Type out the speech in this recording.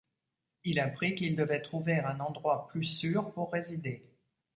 Il apprit qu'il devait trouver un endroit plus sûr pour résider.